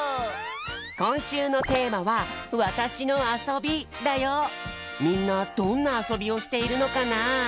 こんしゅうのテーマはみんなどんなあそびをしているのかなあ？